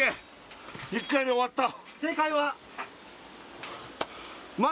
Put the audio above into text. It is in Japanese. １回目終わった